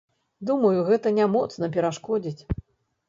Думаю, гэта не моцна перашкодзіць.